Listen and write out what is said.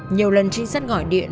nhiều lần trinh sát gọi điện